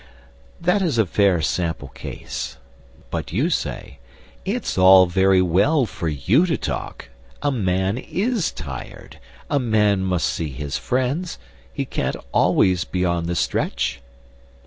That is a fair sample case. But you say: "It's all very well for you to talk. A man is tired. A man must see his friends. He can't always be on the stretch."